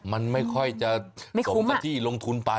มันไม่ค่อยจะสมกับที่ลงทุนไป